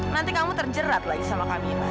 nanti kamu terjerat lagi sama kami